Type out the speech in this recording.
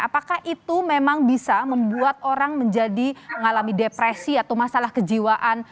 apakah itu memang bisa membuat orang menjadi mengalami depresi atau masalah kejiwaan